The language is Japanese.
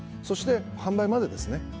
そして販売までですね